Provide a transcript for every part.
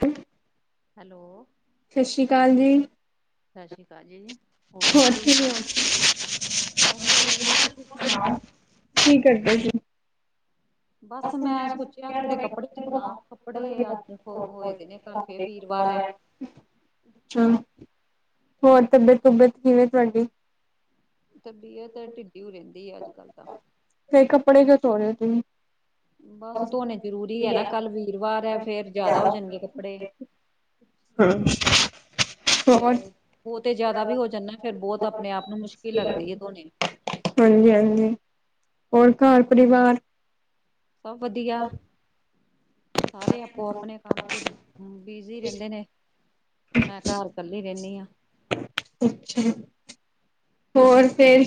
ਅ [unintelligible] hello ਸਤਿ ਸ਼੍ਰੀ ਅਕਾਲ ਜੀ। ਅਕਾਲ ਜੀ- ਹੋਰ ਕੀ ਹਾਲ? [unintelligible] ਬਸ ਵਧੀਆ ਤੁਸੀ ਸੁਣਾਓ ਕੀ ਕਰਦੇ ਸੀ? ਬਸ ਮੈਂ ਸੋਚਿਆ ਥੋੜੇ ਕੱਪੜੇ ਧੋ ਲ ਕੱਪੜੇ ਅੱਜ ਹੋ ਹੋਏ ਦੇ ਨੇ ਕੱਲ ਫਿਰ ਵੀਰਵਾਰ ਐ ਅੱਛਾ ਹੋਰ ਤਬੀਅਤ ਤਬਅਤ ਕਿਵੇਂ ਤੁਹਾਡੀ ਤਾਂ ਬੀਹ ਤਾਂ ਢਿੱਡੀ ਰਹਿੰਦੀ ਆ ਅੱਜ ਕੱਲ ਤਾਂ ਕਈ ਕੱਪੜੇ ਤੇ ਧੋਲੇ ਤੁਸੀ ਬਸ ਧੋਣੇ ਜ਼ਰੂਰੀ ਐ ਨਾ ਕੱਲ ਵੀਰਵਾਰ ਐ ਫੇਰ ਜ਼ਿਆਦਾ ਹੋ ਜਾਣਗੇ ਕੱਪੜੇ, [unintelligible] ਹਾਂ [unintelligible] ਫੇਰ ਉਹ ਤੇ ਜ਼ਿਆਦਾ ਵੀ ਹੋ ਜਾਂਦਾਂ ਫਿਰ ਬਹੁਤ ਆਪਣੇ ਆਪ ਨੂੰ ਮੁਸ਼ਕਿਲ ਲੱਗਦੀ ਹੈ ਤੁਹਾਨੂੰ ਹਾਂਜੀ ਹਾਂਜੀ ਹੋਰ ਘਰ ਪਰਿਵਾਰ ਸਭ ਵਧੀਆ ਸਾਰੇ ਆਪੋ ਆਪਣੇ ਕੰਮ ਤੇ ਬਿਜੀ ਰਹਿੰਦੇ ਨੇ ਮੈਂ ਘਰ ਕੱਲੀ ਰਹਿੰਦੀ ਹਾਂ ਅੱਛਾ ਹੋਰ ਫਿਰ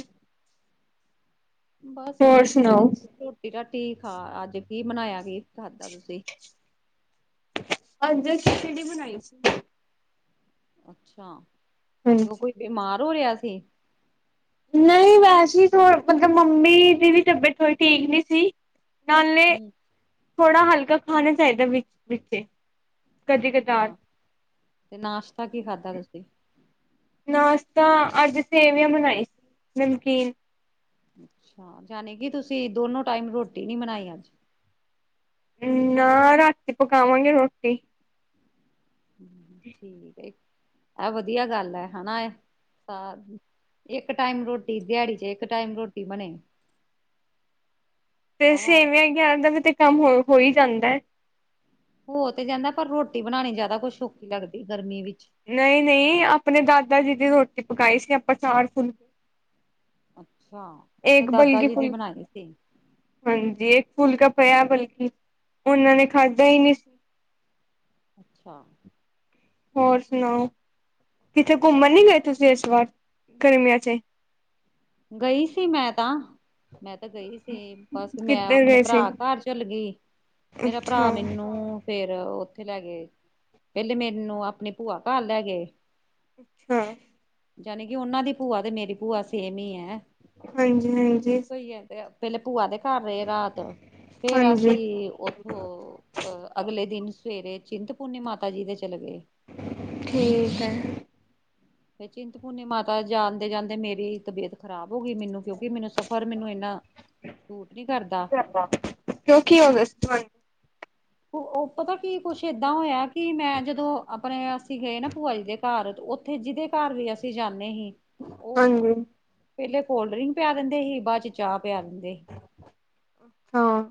ਬਸ ਹੋਰ ਤੁਸੀਂ ਸੁਣਾਓ? ਦੱਸੋ ਰੋਟੀ ਰਾਟੀ ਖਾ ਅੱਜ ਕੀ ਬਣਾਇਆ ਕੀ ਖਾਦਾ ਤੁਸੀਂ ਹਾਂਜੀ ਅੱਜ ਅਸੀਂ ਖਿਚੜੀ ਬਨਾਈ ਸੀ ਅੱਛਾ [unintelligible] ਹਾਂਜੀ। ਕੋਈ ਬਿਮਾਰ ਹੋ ਰਿਹਾ ਸੀ ਨਹੀਂ ਵੈਸੇ ਮਤਲਬ ਮੰਮੀ ਦੀ ਵੀ ਤਬੀਅਤ ਥੋੜੀ ਠੀਕ ਨੀ ਸੀ [unintelligible] ਹੂੰ, ਥੋੜਾ ਹਲਕਾ ਖਾਣਾ ਚਾਹੀਦਾ ਵਿੱਚ ਵਿੱਚੇ [unintelligible] ਕਦੇ ਕਦੇ ਹਾਂ ਤੇ ਨਾਸ਼ਤਾ ਕੀ ਖਾਧਾ ਤੁਸੀਂ ਨਾਸ਼ਤਾ ਅੱਜ ਸੇਵੀਆਂ ਬਣੀਆਂ ਸੀ ਨਮਕੀਨ ਅੱਛਾ ਜਾਣੀ ਕਿ ਤੁਸੀਂ ਦੋਨੋ ਟਾਈਮ ਰੋਟੀ ਨੀ ਬਣਾਈ ਅੱਜ ਨਾ ਰੱਖਦੀ ਰਾਤੀਂ ਪਾਵਾਂਗੇ ਰੋਟੀ ਠੀਕ ਆ ਵਧੀਆ ਗੱਲ ਹੈ ਨਾ ਇੱਕ ਟਾਈਮ ਰੋਟੀ ਦਿਹਾੜੀ ਚ ਇੱਕ ਟਾਈਮ ਰੋਟੀ ਬਣੇ ਤੇ ਵਾਹ ਵਾਹ [unintelligible] ਗਿਆਨ ਦਾ ਵੀ ਤੇ ਕੰਮ ਹੋ ਈ ਜਾਂਦਾ ਐ ਹੋ ਤੇ ਜਾਂਦਾ ਪਰ ਰੋਟੀ ਬਣਾਉਣੀ ਜ਼ਿਆਦਾ ਕੁਛ ਔਖੀ ਲੱਗਦੀ ਗਰਮੀ ਵਿੱਚ ਨਹੀਂ ਨਹੀਂ ਆਪਣੇ ਦਾਦਾ ਜੀ ਦੀ ਰੋਟੀ ਪਕਾਈ ਸੀ ਆਪਾਂ ਚਾਾਰ ਫੁੱਲ ਅੱਛਾ ਇੱਕ ਦਾਦਾ ਬਲਕਿ ਜੀ ਦੀ ਫੁਲ ਬਣਾਈ ਸੀ ਹਾਂਜੀ ਇੱਕ ਫੁਲਕਾ ਪਿਆ ਬਲਕਿ ਉਨਾਂ ਨੇ ਖਾਧਾ ਈ ਨੀ। ਅੱਛਾ। ਹੋਰ ਸੁਣਾਓ ਕਿੱਥੇ ਬਸ ਘੁੰਮਣ ਨੀ ਗਏ ਤੁਸੀਂ ਇਸ ਵਾਰ ਗਰਮੀਆਂ 'ਚ? ਗਈ ਸੀ ਮੈਂ ਤਾਂ। ਮੈਂ ਤਾਂ ਗਈ ਸੀ ਬਸ ਮੈਂ ਕਿੱਧਰ ਆਪਣੇ ਗਏ ਸੀ ਭਰਾ ਘਰ ਚਲਗੀ। ਮੇਰਾ ਭਰਾ ਅੱਛਾ ਮੈਨੂੰ ਫੇਰ ਉੱਥੇ ਲੈ ਗਏ ਪਹਿਲੇ ਮੈਨੂੰ ਆਪਣੀ ਭੂਆ ਘਰ ਲੈਗੇ ਹਾਂ ਜਾਣੀ ਕਿ ਉਨਾਂ ਦੀ ਭੂਆ ਤੇ ਮੇਰੀ ਭੂਆ ਸੇਮ ਹੀ ਹੈ ਹਾਂਜੀ-ਹਾਂਜੀ ਇੱਕੋ ਹੀ ਹੈ ਪਹਿਲੇ ਭੂਆ ਦੇ ਘਰ ਰਏ ਰਾਤ ਫੇਰ ਹਾਂਜੀ ਅਸੀਂ ਓ ਹੋ ਅ ਅਗਲੇ ਦਿਨ ਸਵੇਰੇ ਚਿੰਤਪੂਰਨੀ ਮਾਤਾ ਜੀ ਦੇ ਚਲੇ ਗਏ। ਠੀਕ ਐ। ਫ ਚਿੰਤ ਭੁੰਨਿ ਮਾਤਾ ਜਾਣਦੇ ਜਾਂਦੇ ਮੇਰੀ ਤਬੀਅਤ ਖ਼ਰਾਬ ਹੋ ਗਈ ਮੈਨੂੰ ਕਿਉਂਕਿ ਮੈਨੂੰ ਸਫ਼ਰ ਮੈਨੂੰ ਇਨਾਠੀਕ ਆ, ਵਧੀਆ ਗੱਲ ਹੈ, ਹੈ ਨਾ ਸੂਟ ਨੀ ਕਰਦਾ ਕਿਉਂ ਕੀ ਹੋ ਗਿਆ ਸੀ ਤੁਹਾਨੂੰ ਉੱਦਾਂ ਕੀ ਕੁਝ ਐਦਾਂ ਹੋਇਆ ਸੀ ਕਿ ਮੈਂ ਜਦੋਂ ਆਪਣੇ ਅਸੀਂ ਗਏ ਨਾ ਭੂਆ ਜੀ ਦੇ ਘਰ ਉੱਥੇ ਜਿਹਦੇ ਘਰ ਵੀ ਅਸੀਂ ਜਾਂਦੇ ਸੀ ਉਹ ਹਾਂਜੀ ਪਹਿਲੇ ਕੋਲਡ ਡਰਿੰਕ ਪਿਆ ਦਿੰਦੇ ਹੀ ਬਾਦ ਚ ਚਾਹ ਪਿਆ ਦਿੰਦੇ। ਹਾਂ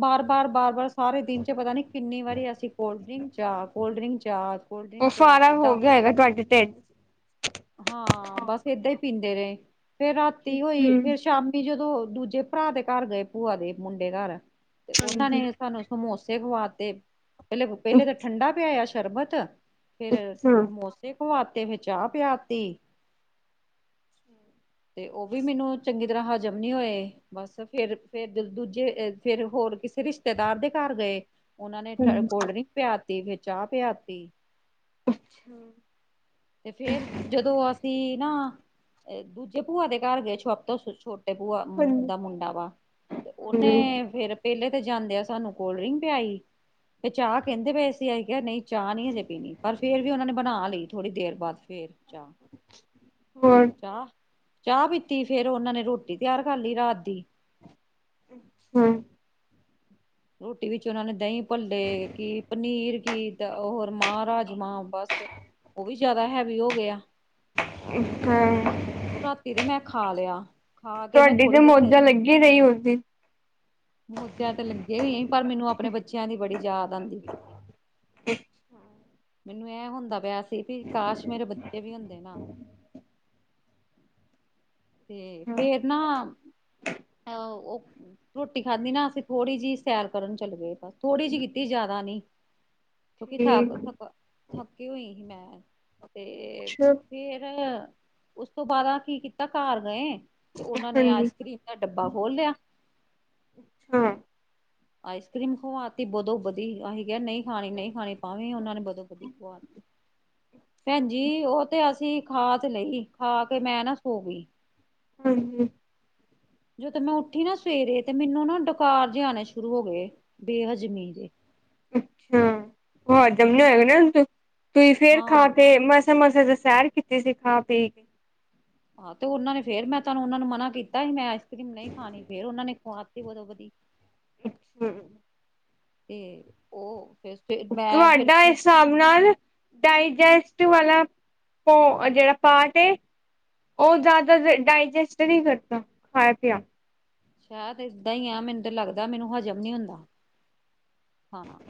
ਬਾਰ-ਬਾਰ-ਬਾਰ-ਬਾਰ ਸਾਰੇ ਦਿਨ ਚ ਪਤਾ ਨੀ ਕਿੰਨੀ ਵਾਰੀ ਅਸੀਂ ਕੋਲਡ ਡਰਿੰਕ ਚਾਹ ਕੋਲਡ ਡਰਿੰਕ ਚਾਹ ਕੋਲਡ ਉਹ ਡਰਿੰਕ ਚਾਹ ਸਾਰਾ ਹੋ ਏਦਾਂ ਹੈਗਾ [unintelligible] ਹਾਂ ਬਸ ਏਦਾਂ ਈ ਪੀਂਦੇ ਰਏ ਫੇਰ ਰਾਤੀ ਹੋਈ ਹਮ ਫੇਰ ਸ਼ਾਮ ਵੀ ਜਦੋਂ ਦੂਜੇ ਭਰਾ ਦੇ ਘਰ ਗਏ ਭੂਆ ਦੇ ਮੁੰਡੇ ਘਰ ਤੇ ਓਨਾਂ ਹਾਂਜੀ ਨੇ ਸਾਨੂੰ ਸਮੋਸੇ ਖਵਾ ਤੇ ਪਹਿਲੇ ਪਹਿਲੇ ਤਾਂ ਠੰਡਾ ਪਿਆਇਆ ਸ਼ਰਬਤ ਫੇਰ ਅੱਛਾ ਸਮੋਸੇ ਖਵਾਤੇ ਫਿਰ ਚਾਹ ਪਿਆਤੀ। ਤੇ ਓਵੀ ਮੈਨੂੰ ਚੰਗੀ ਤਰ੍ਹਾਂ ਹਜ਼ਮ ਨੀ ਹੋਏ। ਬਸ ਫੇਰ-ਫੇਰ ਦੂਜੇ ਫੇਰ ਹੋਰ ਕਿਸੇ ਰਿਸ਼ਤੇਦਾਰ ਦੇ ਘਰ ਗਏ ਓਨਾਂ ਨੇ ਹਾਂਜੀ ਕੋਲਡ ਡਰਿੰਕ ਪਿਆਤੀ ਫਿਰ ਚਾਹ ਪਿਆਤੀ। ਅੱਛਾ। ਤੇ ਫੇਰ ਜਦੋਂ ਅਸੀਂ ਨਾ ਦੂਜੇ ਭੂਆ ਦੇ ਘਰ ਗਏ ਛਪ ਤੋਂ ਛੋ ਟੇ ਭੂਆ ਹਾਂਜੀ ਦਾ ਮੁੰਡਾ ਵਾ ਤੇ ਓਨੇ ਫੇਰ ਪਹਿਲੇ ਤੇ ਜਾਂਦੇ ਆਂ ਸਾਨੂੰ ਕੋਲਡ ਡਰਿੰਕ ਪਿਆਈ। ਤੇ ਚਾਹ ਕਹਿੰਦੇ ਪਏ ਅਸੀਂ ਕਿਆ ਨਈ ਚਾਹ ਨੀ ਹਜੇ ਪੀਣੀ ਪਰ ਫੇਰ ਵੀ ਓਨਾਂ ਨੇ ਬਣਾ ਲਈ ਥੋੜ੍ਹੀ ਦੇਰ ਬਾਦ। ਫੇਰ ਚਾਹ। ਹੋਰ। ਚਾਹ-ਚਾਹ ਪੀਤੀ ਫੇਰ ਓਨਾਂ ਨੇ ਰੋਟੀ ਤਿਆਰ ਕਰ ਲਈ ਰਾਤ ਦੀ। ਹੂੰ। ਰੋਟੀ ਵਿੱਚ ਓਨਾਂ ਨੇ ਦਹੀਂ ਭੱਲੇ ਕਿ ਪਨੀਰ ਕੀਤ ਹੋਰ ਮਾਂ ਰਾਜਮਾਂ ਬਸ ਉਹ ਵੀ ਜਿਆਦਾ ਹੈਵੀ ਹੋ ਗਿਆ [unintelligible] ਓ ਰਾਤੀ ਤੇ ਮੈਂ ਖਾ ਲਿਆ ਖਾ ਕੇ ਮੈਂ ਤੁਹਾਡੀ ਤੇ ਥੋੜ੍ਹੀ ਜੀ ਸ ਮੌਜਾਂ ਲੱਗੀ ਰਹੀ ਉਸਦੀ ਮੌਜਾਂ ਤਾਂ ਲੱਗੇ ਹੋਈ ਪਰ ਮੈਨੂੰ ਆਪਣੇ ਬੱਚਿਆਂ ਦੀ ਬੜੀ ਯਾਦ ਆਂਦੀ। ਮੈਨੂੰ ਐ ਹੁੰਦਾ ਪਿਆ ਸੀ ਵੀ ਕਾਸ਼ ਮੇਰੇ ਬੱਚੇ ਵੀ ਹੁੰਦੇ ਨਾ। ਤੇ ਫੇਰ ਨਾ ਅ ਓ ਰੋਟੀ ਖਾਧੀ ਨਾ ਅਸੀਂ ਥੋੜੀ ਜੀ ਸੈਰ ਕਰਨ ਚੱਲ ਗਏ ਬਸ ਥੋੜੀ ਜੀ ਕੀਤੀ ਜਾਦਾ ਨੀ। ਕਿਉਕਿ ਥਕ ਠੀਕ ਥ ਥੱਕੀ ਹੋਈ ਹੀ ਮੈਂ। ਤੇ ਅੱਛਾ ਫੇਰ ਉਸ ਤੋਂ ਬਾਦ ਆ ਕੀ ਕੀਤਾ ਘਰ ਗਏ। ਤੇ ਓਨਾਂ ਨੇ ਹਾਂਜੀ ਆਈਸ ਕਰ੍ਰੀਮ ਦਾ ਡੱਬਾ ਖੋਲ੍ਹ ਲਿਆ। ਹਾਂ ਆਈਸ ਕਰ੍ਰੀਮ ਖਵਾਤੀ ਬਦੋ ਵਧੀ ਆ ਕਿਹਾ ਨਹੀਂ ਖਾਣੀ ਨਹੀਂ ਖਾਣੀ ਪਾਵੇਂ ਉਹਨਾਂ ਨੇ ਬਦੋਂ ਵਧੀ ਖ ਦਿੱਤੀ ਭੈਣਜੀ ਉਹ ਤੇ ਅਸੀਂ ਖਾ ਤੇ ਲਈ ਖਾ ਕੇ ਮੈਂ ਨਾ ਸੋ ਗਈ ਹਮ ਹਮ ਜਦੋਂ ਮੈਂ ਉੱਠੀ ਨਾ ਸਵੇਰੇ ਤੇ ਮੈਨੂੰ ਨਾ ਡੁਕਾਰ ਜ ਆਉਣੇ ਸ਼ੁਰੂ ਹੋ ਗਏ ਬੇਹਜ਼ਮੀ ਦੇ ਅੱਛਾ ਹੋਰ ਜਮਣੇ ਹੋਏਗਾ ਨਾ ਤੁਸੀਂ ਫੇਰ ਖਾ ਹਾਂ। ਕੇ ਮਸ ਸੇ ਤੇ ਸੈਰ ਕੀਤੀ ਸੀ ਖਾਂ ਪੀ ਕੇ ਹਾਂ ਤੇ ਉਹਨਾ ਨੇ ਫੇਰ ਮੈਂ ਤੁਹਾਨੂੰ ਉਹਨਾਂ ਨੂੰ ਮਨਾ ਕੀਤਾ ਸੀ ਮੈਂ ਆਈਸ ਕਰੀਮ ਨਹੀਂ ਖਾਣੀ ਫੇਰ ਉਹਨਾਂ ਨੇ ਕਤੀਓਦੋਂ ਵਧੀਆ [unintelligible] [inaudible] ਅੱਛਾ ਅਤੇ ਉਹ ਫੇਸ ਤੁਹਾਡਾ ਹਿਸਾਬ ਨਾਲ ਡਾਇਜੈਸਟ ਵਾਲਾ ਪੋ ਜੇੜਾ ਪਾਟ ਏ। ਓ ਜਾਦਾ ਡਾਇਜੈਸਟ ਨੀ ਕਰਦਾ ਖਾਇਆ ਪੀਆ। ਸ਼ਹਿ ਤੇ ਏਦਾਂ ਈ ਆ ਮੈਨੂੰ ਲੱਗਦਾ ਮੈਨੂੰ ਹਜ਼ਮ ਨੀ ਹੁੰਦਾ। ਖਾਣਾ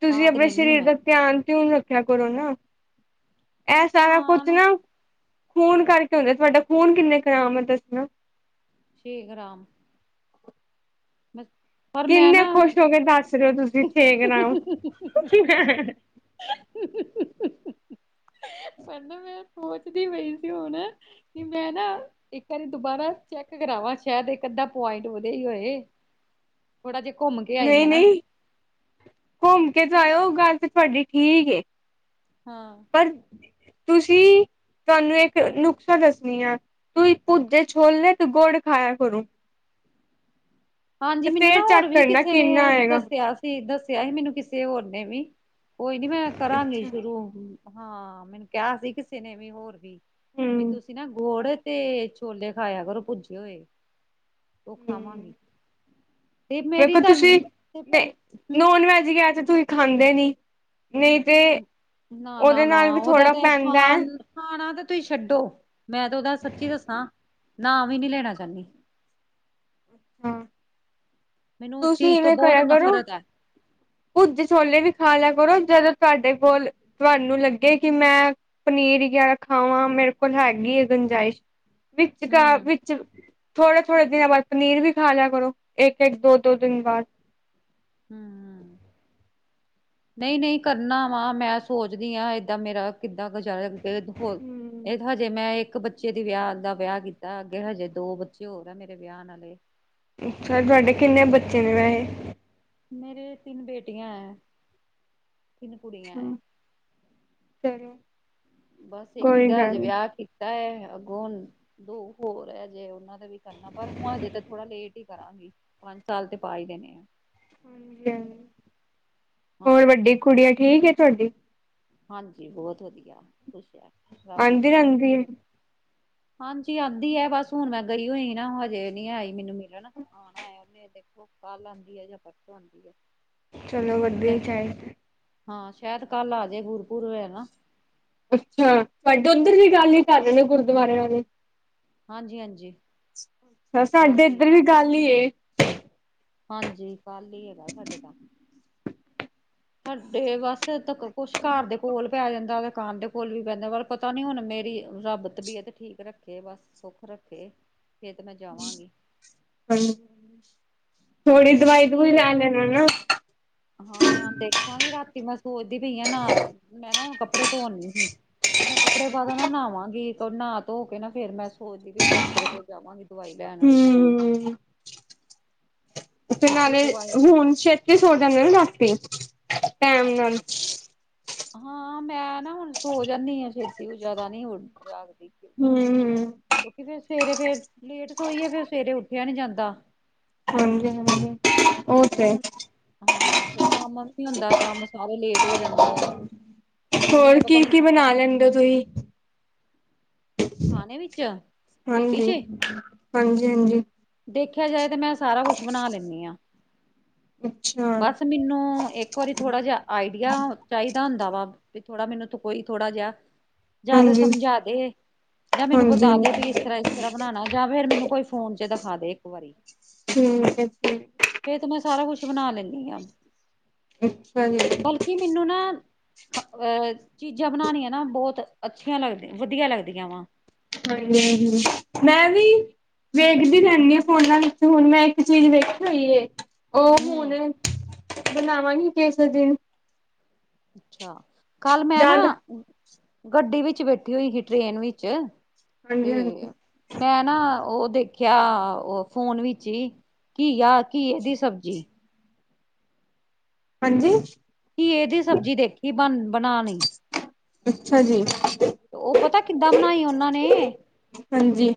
ਤੁਸੀਂ ਖਾ ਤੇ ਆਪਣੇ ਲੈਂਨੀ ਆ ਸਰੀਰ ਮੈਂ। ਦਾ ਧਿਆਨ ਤਿਉਂਨ ਰੱਖਿਆ ਕਰੋ ਨਾ ਐ ਸਾਰਾ ਕੁਛ ਧਿਆਨ ਨਾ ਖੂਨ ਕਰਕੇ ਹੁੰਦਾ ਤੁਹਾਡਾ ਖੂਨ ਕਿੰਨੇ ਖਰਾਮ ਹੈ ਦੱਸਣਾ ਛੇ ਗਾਮ ਬਿਲ ਕਿੰਨੇ ਖੁਸ਼ ਹੋ ਕੇ ਦੱਸ ਰਹੇ ਹੋ ਤੁਸੀਂ ਠੇਕ ਰ ਹੋ ਪ ਨਾ ਮੈਂ ਸੋਚਦੀ ਪਈ ਸੀ ਹੁਣ ਕਿ ਮੈਂ ਨਾ ਇੱਕ ਵਾਰੀ ਦੁਬਾਰਾ ਚੈੱਕ ਕਰਾਵਾਂ ਸ਼ਾਇਦ ਇੱਕ ਅੱਧਾ ਪੁਆਇੰਟ ਵਧੇ ਹੀ ਹੋਏ ੋੜਾ ਜੇ ਘੁੰਮ ਕੇ ਆਈ ਨਹੀਂ ਹੈ ਨਾ ਨਹੀਂ ਘੁੰਮ ਕੇ ਜਾਇਓ ਗੱਲ ਤੇ ਤੁਹਾਡੀ ਠੀਕ ਹਾਂ ਪਰ ਤੁਸੀਂ ਤੁਹਾਨੂੰ ਇੱਕ ਨੁਕਸਾ ਦੱਸਣੀ ਆ ਤੁੂੰਂ ਪੁੂਤੇ ਛੋਲ ਲ ਤੂੰ ਗੋੜ ਖਾਇਆ ਕਰੂ ਹਾਂਜੀ ਮੈਨੂੰ ਫੇਰ ਨਾ ਹੋਰ ਚੈੱਕ ਵੀ ਕਰਨਾ ਕਿਸੇ ਨੇ ਕਿੰਨਾ ਆਏਗਾ ਦੱਸਿਆ ਤੇ ਦੱਸਿਆ ਹੀ ਮੈਨੂੰ ਕਿਸੇ ਹੋਰ ਨੇ ਵੀ ਕੋਈ ਨੀ ਮੈਂ ਕਰਾਂਗੀ ਅੱਛਾ ਸ਼ੁਰੂ ਹਾਂ ਮੈਨੂੰ ਕਿਹਾ ਸੀ ਕਿਸੇ ਨੇ ਵੀ ਹੋਰ ਵੀ ਵੀ ਹੂੰ ਤੁਸੀਂ ਨਾ ਗੋੜ ਤੇ ਛੋਲੇ ਖਾਇਆ ਕਰੋ ਪੁੱਜੇ ਹੋਏ ਉਹ ਖਾਵਾਂਗੀ ਤੇ ਮੇਰੀ ਮੇਖੋ ਤਾਂ ਤੁਸੀਂ ਨੋਨ ਵੈਜ ਗਿਆ ਤੇ ਤੁਸੀਂ ਖਾਂਦੇ ਨੀ ਨਹੀਂ ਤੇ ਨਾ ਨਾ ਉਹਦੇ ਨਾ ਨਾਲ ਵੀ ਉਹਦਾ ਥੋੜ੍ਹਾ ਤੇ ਪੈਂਦਾ ਹੈ ਖਾਣ ਖਾਣਾ ਤੇ ਤੁਸੀਂ ਛੱਡੋ ਮੈਂ ਤੇ ਉਹਦਾ ਸੱਚੀ ਦੱਸਾਂ ਨ ਹੀ ਨਹੀਂੀ ਲੈਣਾ ਚਾਹੁੰਦੀ ਮੈਨੂੰ ਉਸ ਤੁਸੀਂ ਚੀਜ਼ ਤੋਂ ਇਵੇਂ ਬਹੁਤ ਕਰਿਆ ਕਰੋ ਨਫ਼ਰਤ ਹੈ ਭੱਜ ਛੋਲੇ ਵੀ ਖਾ ਲਿਆ ਕਰੋ ਜਦੋਂ ਤੁਹਾਡੇ ਕੋਲ ਤੁਹਾਨੂੰ ਲੱਗੇ ਕਿ ਮੈਂ ਪਨੀਰ ਵਗੈਰਾ ਖਾਵਾਂ ਮੇਰੇ ਕੋਲ ਹੈਗੀ ਆ ਗੰਜਾਇਸ਼ ਵਿੱਚ ਕ ਹਮ ਵਿੱਚ ਥੋੜੇ ਥੋੜੇ ਦਿਨਾਂ ਬਾਅਦ ਪਨੀਰ ਵੀ ਖਾ ਲਿਆ ਕਰੋ ਇੱਕ ਇੱਕ ਦੋ ਦੋ ਦਿਨ ਬਾਅਦ ਹੂ ਹੂ ਨਹੀਂ ਨਹੀਂ, ਕਰਨਾ ਵਾ, ਮੈਂ ਸੋਚਦੀ ਆਂ, ਏਦਾਂ ਮੇਰਾ ਕਿੱਦਾਂ ਗੁਜ਼ਾਰਾ ਹੋ ਹਮ ਹਜੇ ਮੈਂ ਇੱਕ ਬੱਚੇ ਦੇ ਵਿਆਹ ਦਾ ਵਿਆਹ ਕੀਤਾ, ਅੱਗੇ ਹਜੇ ਦੋ ਬੱਚੇ ਹੋਰ ਹੈਗੇ ਨੇ ਵਿਆਹਣ ਆਲੇ। ਅੱਛਾ, ਤੁਹਾਡੇ ਕਿੰਨੇ ਬੱਚੇ ਨੇ ਵੈਸੇ। ਮੇਰੇ ਤਿੰਨ ਬੇਟੀਆਂ ਹੈ, ਤਿੰਨ ਕੁੜੀਆਂ ਹੈ। ਸਹੀ ਬਸ ਇੱਕ ਦਾਜ ਵਿਆਹ ਕੀਤਾ ਹੈ ਅੱਗੋਂ ਹੁਣ ਦੋ ਹੋਰ ਹੈ ਜੇ ਉਹਨਾਂ ਦਾ ਵੀ ਕਰਨਾ ਪਰ ਹੁਣ ਹਜੇ ਤਾਂ ਥੋੜਾ ਲੇਟ ਹੀ ਕਰਾਂਗੀ ਪੰਜ ਸਾਲ ਤੇ ਪਾ ਹੀ ਦੇਣੇ ਆ ਹਾਂਜੀ ਹੋਰ ਹਾਂ ਵੱਡੀ ਕੁੜੀਆਂ ਠੀਕ ਤੁਹਾਡੀ ਹਾਂਜੀ ਬਹੁਤ ਵਧੀਆ ਖੁਸ਼ ਹੈ ਰੱਬ ਆਉਂਦੀ ਦੋਂ ਰਹਿੰਦੀ ਖੁਸ਼ ਹੈ ਰੱਖੋ ਹਾਂਜੀ ਆਉਂਦੀ ਆ ਬਸ ਹੁਣ ਮੈਂ ਗਈ ਹੋਈ ਸੀ ਨਾ ਹਜੇ ਨੀ ਆਈ ਮੈਨੂੰ ਮਿਲਣ ਆਉਣਾ ਏ ਦੇਖੋ ਕੱਲ ਆਉਂਦੀ ਹੈ ਜਾਂ ਪਰਸੋਂ ਆਉਂਦੀ ਆ ਚਲੋ ਵਧੀਆ ਹੀ ਚ ਹਾਂ ਸ਼ਾਇਦ ਕੱਲ ਆਜੇ ਗੁਰਪੁਰ ਹੈ ਨਾ ਅੱਛਾ ਤੁਹਾਡੇ ਉੱਧਰ ਵੀ ਗੱਲ ਹੀ ਕਰਨ ਨੇ ਗੁਰਦੁਆਰਿਆਂ ਵਾਲੇ ਹਾਂਜੀ ਹਾਂਜੀ ਦੱਸਾਂ, ਕੱਲ ਆਂਟੀ, ਹੀ ਹੈ, ਇੱਧਰ ਵੀ ਕੱਲ ਹੀ ਏ। ਹਾਂਜੀ, ਕੱਲ ਹੀ ਹੈਗਾ, ਸਾਡੇ ਤਾਂ। ਸਾਡੇ ਵਸ, ਤਾਂ ਕੁਛ ਘਰ ਦੇ ਕੋਲ ਪੇਯਾ ਰਹਿੰਦਾ ਵੈ, ਘਰ ਦੇ ਕੋਲ ਵੀ ਪੈਂਦਾ, ਪਰ ਪਤਾ ਨੀ ਹੁਣ ਮੇਰੀ ਰੱਬ ਤਬੀਅਤ ਠੀਕ ਰੱਖੇ, ਬਸ ਸੁੱਖ ਰੱਖੇ। ਫੇਰ ਤੇ ਮੈਂ ਜਾਵਾਂਗੀ। ਹਹੀ [unintelligible] ਕਿਉਂਕਿ ਮੇਰੀ, ਨਾ। ਹਾਂ ਦੇਖਾਗ਼ੀ ਰਾਤੀ ਮੈਂ ਸੋਚਦੀ ਪਈ ਆ ਨਾ, ਮੈਂ ਨਾ ਹੁਣ ਕੱਪੜੇ ਧੋਣ ਲਗੀ ਸੀ। ਤੇ ਮੈਂ ਕੱਪੜੇ ਪਾ ਦੇ ਨਾ ਨਹਾਵਾਂਗੀ, ਨਾਹ ਧੋ ਕੇ ਨਾ ਫੇਰ, ਮੈਂ ਸੋਚਦੀ ਵੀ ਡਾਕਟਰ ਕੋਲ ਜਾਵਾਂਗੀ। ਦਵਾਈ ਲੈਣ ਹੂ ਤੇ ਕਿਉਂਕਿ ਨਾਲੇ ਦਵਾਈ ਹੁਣ ਛੇਤੀ ਸੋ ਜਾਗੇ ਨਾ ਰਾਤੀ, ਟਾਈਮ ਨਾਲ। ਹਾਂ ਮੈਂ ਨਾ ਹੁਣ ਸੋ ਜਾਨੀਂ ਆ ਛੇਤੀ, ਉਹ ਜਿਆਦਾ ਨੀ ਹੁਣ ਜਾਗਦੀ। ਹੂ ਹੂ ਕਿਉਂਕਿ ਫਿਰ ਸਵੇਰੇ, ਫੇਰ ਲੇਟ ਸੋਈਏ ਫਿਰ ਸਵੇਰੇ ਉੱਠਿਆ ਨੀ ਜਾਂਦਾ। ਹਾਂਜੀ ਹਾਂਜੀ ਹੁ ਹਾਂ ਫਿਰ ਕੰਮ ਵੀ ਨੀ ਹੁੰਦਾ, ਕੰਮ ਸਾਰੇ ਲੇਟ ਹੋ ਜਾਂਦੇ ਐ। ਹੋਰ ਕੀ ਕੀ ਬਣਾ ਲੈਂਦੇ ਹੋ ਤੁਸੀਂ ਖਾਣੇ ਵਿੱਚ ਰੋਟੀ ਹਾਂਜੀ ਚ ਹਾਂਜੀ ਹਾਂਜੀ ਦੇਖਿਆ ਜਾਏ ਤੇ, ਮੈਂ ਸਾਰਾ ਕੁਛ ਬਣਾ ਲੈਂਨੀ ਆਂ। ਅੱਛਾ ਬਸ ਮੈਨੂੰ ਇੱਕ ਇੱਕ ਵਾਰੀ ਥੋੜਾ ਜਹਾ ਆਈਡੀਆ ਚਾਹੀਦਾ ਹੁੰਦਾ ਵਾ, ਵੀ ਥੋੜਾ ਮੈਨੂੰ ਕੋਈ ਥੋੜਾ ਜਹਾ ਜ਼ਿਆਦਾ ਹਾਂਜੀ, ਸਮਝਾ ਦੇ ਜਾਂ ਮੈਨੂੰ ਬਤਾ ਦੇ ਹਾਂਜੀ-ਹਾਂਜੀ। ਵੀ ਇਸ ਤਰ੍ਹਾਂ ਇਸ ਤਰ੍ਹਾਂ ਬਣਾਉਣਾ, ਜਾਂ ਫਿਰ ਮੈਨੂੰ ਕੋਈ ਫੋਨ ਚ ਦਿਖਾ ਦੇ ਇੱਕ ਵਾਰੀ। ਠੀਕ ਹੈ ਜੀ ਫਿਰ ਤੇ ਮੈਂ, ਸਾਰਾ ਕੁੱਛ ਬਣਾ ਲੈਂਨੀ ਆਂ। ਅੱਛਾ ਜੀ ਮੈਨੂੰ ਨਾ ਅਹ ਚੀਜ਼ਾਂ ਬਣਾਉਣੀਆਂ ਨਾ ਬਹੁਤ ਅੱਛੀਆਂ ਲੱਗਦੀਆਂ, ਵਧੀਆ ਲੱਗਦੀਆਂ। ਵਧੀਆ ਵਾ ਹਾਂਜੀ ਹਾਂਜੀ, ਮੈਂ ਵੀ ਵੇਖਦੀ ਰਹਨੀ ਆ ਫੋਨਾਂ ਵਿੱਚ, ਹੁਣ ਮੈਂ ਇੱਕ ਚੀਜ਼ ਵੇਖੀ ਹੋਈ ਹੈ। ਉਹ ਹਮ ਹੁਣ ਬਣਾਵਾਂਗੀ ਕਿਸੇ ਦਿਨ ਅੱਛਾ, ਕੱਲ ਮੈਂ ਨਾ ਯਾਦ ਗੱਡੀ ਵਿੱਚ ਬੈਠੀ ਹੋਈ ਸੀ, ਟ੍ਰੇਨ ਵਿੱਚ ਹਾਂਜੀ ਹਾਂਜੀ ਤੇ ਮੈਂ ਨਾ ਉਹ ਦੇਖਿਆ ਉਹ ਫੋਨ ਵਿੱਚ ਹੀ, ਘੀਆ, ਘੀਏ ਦੀ ਸਬਜ਼ੀ। ਹਾਂਜੀ ਘੀਏ ਦੀ ਸਬਜ਼ੀ ਦੇਖੀ, ਬਣਾਣੀ। ਅੱਛਾ ਜੀ ਉਹ ਪਤਾ ਕਿੱਦਾਂ ਬਣਾਈ ਉਨਾਂ ਨੇ। ਹਾਂਜੀ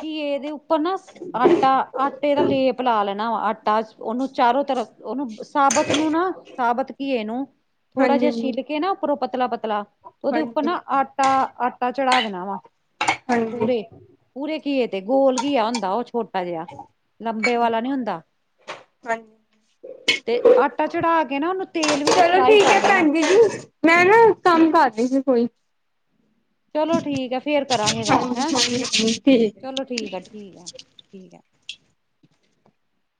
ਕੀ ਇਹਦੇ ਉੱਪਰ ਨਾ ਆਟਾ ਆਟੇ ਦਾ ਲੇਪ ਲਾ ਲੈਣ। ਆਟਾ, ਉਹਨੂੰ ਚਾਰੋ ਤਰਫ ਉਹਨੂੰ ਸਾਬਤ ਨੂੰ ਨਾ, ਸਾਬਤ ਘਿਏ ਨੂੰ, ਥੋੜਾ ਜਿਹਾ ਹਾਂਜੀ ਛਿੱਲ ਕੇ ਨਾ ਉੱਪਰੋਂ ਪਤਲਾ ਪਤਲਾ ਉਹਦੇ ਉੱਪਰ ਨਾ ਆਟਾ ਆਟਾ ਚੜ੍ਹਾ ਦੇਣਾ ਵਾ ਹਾਂਜੀ ਪੂਰੇ ਪੂਰੇ ਘੀਏ ਦੇ, ਗੋਲ ਘੀਆ ਹੁੰਦਾ ਉਹ ਛੋਟਾ ਜਿਹਾ, ਲੰਬੇ ਹਾਂਜੀ ਵਾਲਾ ਨੀ ਹੁੰਦਾ। ਹਾਂਜੀ ਤੇ ਆਟਾ ਚੜਾ ਕੇ ਨਾ, ਓਨੂੰ ਤੇਲ ਵਿੱਚ ਚਲੋ ਫਰਾਈ ਠੀਕ ਹੈ ਕਰ ਲੈਣਾ। ਭੈਣ ਜੀ ਮੈਂ ਨਾ ਕੰਮ ਕਰ ਰਹੀ ਸੀ ਕੋਈ। ਚਲੋ ਠੀਕ ਐ ਫੇਰ ਕਰਾਂਗੇ ਗੱਲ ਹੈਂ, ਹਾਂਜੀ ਹਾਂਜੀ ਠੀਕ ਚਲੋ ਠੀਕ ਐ, ਠੀਕ ਐ, ਠੀਕ ਐ।